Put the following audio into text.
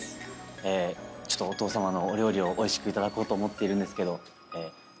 ちょっとお父さまのお料理をおいしくいただこうと思っているんですけど。